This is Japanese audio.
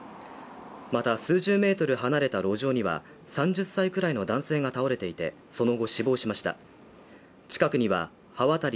また数十メートル離れた路上には３０歳くらいの男性が倒れていて、その後死亡しました。